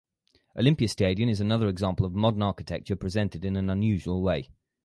Olympiastadion is another example of modern architecture presented in an unusual way.